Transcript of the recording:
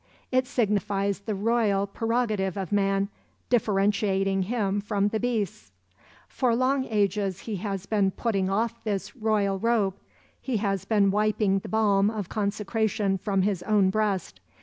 It signifies the royal prerogative of man, differentiating him from the beasts. For long ages he has been putting off this royal robe, he has been wiping the balm of consecration from his own breast.